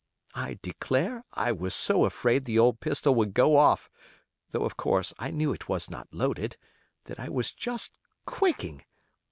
I declare I was so afraid the old pistol would go off, though, of course, I knew it was not loaded, that I was just quaking.